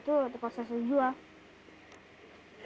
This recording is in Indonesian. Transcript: terjual itu proses sejual